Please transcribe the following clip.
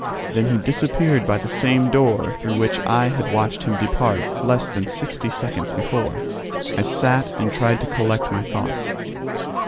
Then he disappeared by the same door through which I had watched him depart less than sixty seconds before. I sat and tried to collect my thoughts.